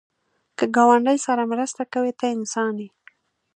که ګاونډي سره مرسته کوې، ته انسان یې